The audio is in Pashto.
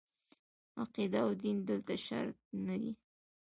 عقیده او دین دلته شرط نه دي.